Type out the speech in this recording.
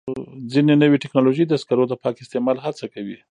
ځینې نوې ټکنالوژۍ د سکرو د پاک استعمال هڅه کوي.